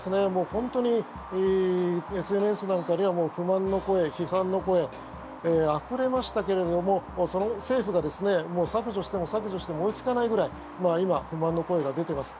本当にＳＮＳなんかでは不満の声、批判の声あふれましたけれども政府が削除しても削除しても追いつかないぐらい今、不満の声が出ています。